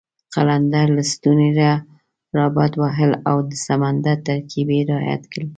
قلندر لسټوني را بډ وهل او د سمندر ترکیب یې رعایت کړ.